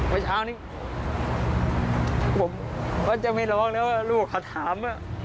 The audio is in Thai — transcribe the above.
วันเช้านี้ผมว่าจะไม่ร้องแล้วลูกเขาถาม